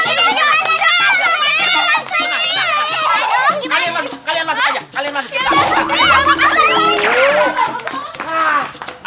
tidak tidak tidak kalian masuk kalian masuk aja